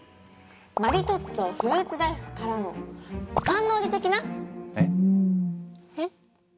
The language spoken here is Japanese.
マリトッツォフルーツ大福からのカンノーリ的な⁉えっ？えっ？